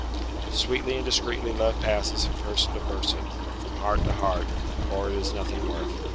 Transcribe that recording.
But sweetly and discreetly love passes from person to person, from heart to heart, or it is nothing worth.